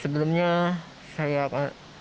sebelumnya saya apa